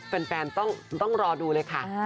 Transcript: แฟนต้องรอดูเลยค่ะ